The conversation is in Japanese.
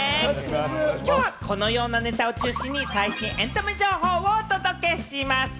きょうはこのようなネタを中心に最新エンタメ情報をお届けします。